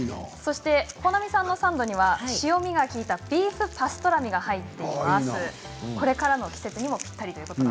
保奈美さんのサンドには塩味が利いたビーフパストラミが入っています。